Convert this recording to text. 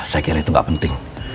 saya kira itu nggak penting